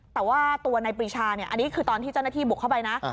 แต่ว่าตัวนายปรีชาเนี่ยอันนี้คือตอนที่เจ้าหน้าที่บุกเข้าไปนะ